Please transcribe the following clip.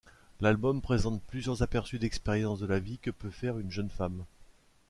L'album présente plusieurs aperçus d'expériences de la vie que peut faire une jeune femme.